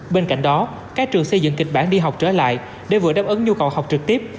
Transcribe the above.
bên cạnh đó các trường xây dựng kịch bản đi học trở lại để vừa đáp ứng nhu cầu học trực tiếp